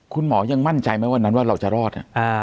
คุณหมอยังมั่นใจไหมวันนั้นว่าเราจะรอด